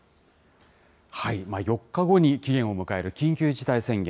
４日後に期限を迎える緊急事態宣言。